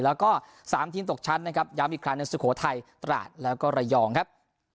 แล้วก็๓ทีมตกชั้นนะครับย้ำอีกครั้งในสุโขทัยตราดแล้วก็ระยองครับ